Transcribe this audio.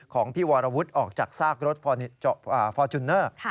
ของพี่วรวุฒิออกจากซากรถฟอร์จูเนอร์